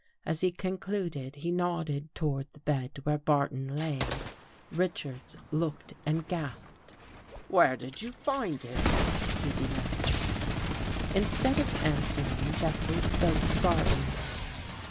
As he concluded he nodded toward the bed where Barton lay. Richards looked and gasped. " Where did you find him? " he demanded. Instead of answering, Jeffrey spoke to Barton.